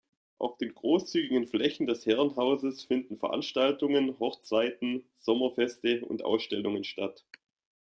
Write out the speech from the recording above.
Auf den großzügigen Flächen des Herrenhauses finden Veranstaltungen, Hochzeiten, Sommerfeste und Ausstellungen, statt.